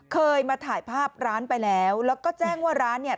เคยมาถ่ายภาพร้านไปแล้วแล้วก็แจ้งว่าร้านเนี่ย